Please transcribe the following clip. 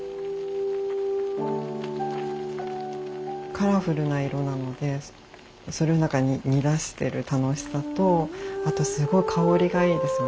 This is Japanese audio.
カラフルな色なのでそれをなんか煮出してる楽しさとあとすごい香りがいいですよね。